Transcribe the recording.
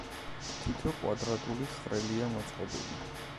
თითო კვადრატული ხვრელია მოწყობილი.